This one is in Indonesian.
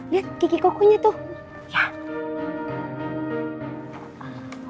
lihat kiki kokonya tuh